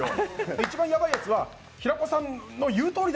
一番やばい奴は平子さんの言うとおりだ！